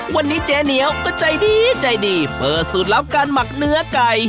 วันนี้เจ๊เหนียวก็ใจดีใจดีเปิดสูตรลับการหมักเนื้อไก่